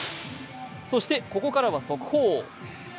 そして、ここからは速報。